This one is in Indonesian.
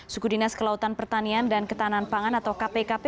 suku dinas kelautan pertanian dan ketahanan pangan atau kpkp